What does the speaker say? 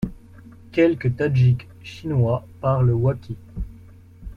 Quelques Tadjiks chinois parlent wakhi.